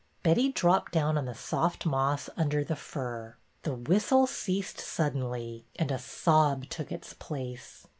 Betty dropped down on the soft moss under the fir. The whistle ceased suddenly, and a sob took its place.